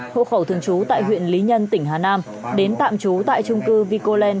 hộ khẩu thường trú tại huyện lý nhân tỉnh hà nam đến tạm trú tại trung cư vicoland